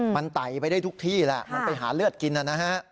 มันไต่ไปได้ทุกที่แหละมันไปหาเลือดกินนะฮะ